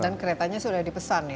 dan keretanya sudah dipesan ya